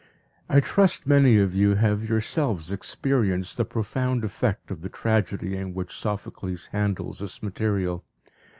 I trust many of you have yourselves experienced the profound effect of the tragedy in which Sophocles handles this material.